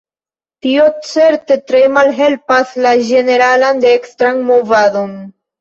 Tio, certe, tre malhelpas la ĝeneralan dekstran movadon.